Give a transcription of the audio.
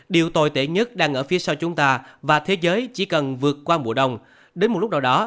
điều tồi tệ nhất đang ở phía sau chúng ta và thế giới chỉ cần vượt qua mùa đông đến một lúc nào đó